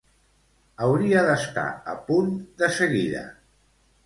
Hauria d'estar a punt de seguida.